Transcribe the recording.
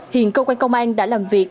hiện cơ quan công an đã làm việc